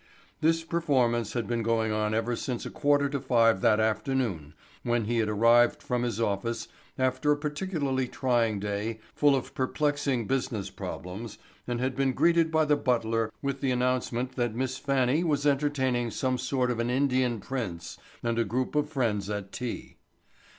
This performance had been going on ever since a quarter to five that afternoon when he had arrived home from his office after a particularly trying day full of perplexing business problems and had been greeted by the butler with the announcement that Miss Fannie was entertaining some sort of an Indian prince and a group of friends at tea.